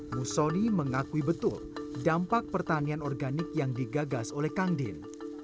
musoni mengakui betul dampak pertanian organik yang digagas oleh kang din